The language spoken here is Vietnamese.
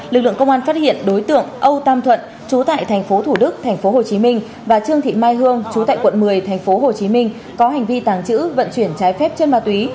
lực lượng công an phát hiện đối tượng âu tam thuận chú tại tp thủ đức tp hồ chí minh và trương thị mai hương chú tại quận một mươi tp hồ chí minh có hành vi tàng chữ vận chuyển trái phép chân ma túy